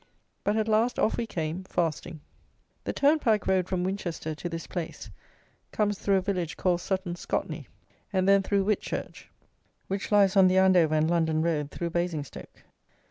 But at last off we came, fasting. The turnpike road from Winchester to this place comes through a village called Sutton Scotney, and then through Whitchurch, which lies on the Andover and London road, through Basingstoke.